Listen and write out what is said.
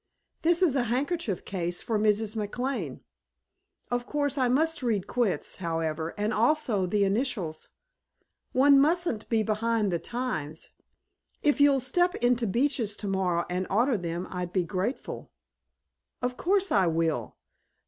This is a handkerchief case for Mrs. McLane. Of course I must read 'Quits,' however, and also 'The Initials.' One mustn't be behind the times. If you'll step into Beach's tomorrow and order them I'll be grateful." "Of course I will.